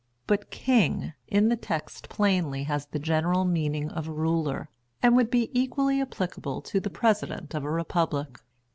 But "king" in the text plainly has the general meaning of "ruler," and would be equally applicable to the President of a Republic.